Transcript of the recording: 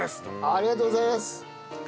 ありがとうございます。